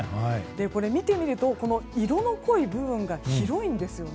見てみると、色の濃い部分が広いんですよね。